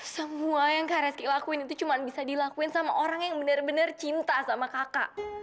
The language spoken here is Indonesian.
semua yang kak reski lakuin itu cuma bisa dilakuin sama orang yang benar benar cinta sama kakak